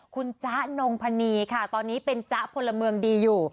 คุณจ๊ะนงพนีค่ะตอนนี้เป็นจ๊ะพลเมืองดีอยู่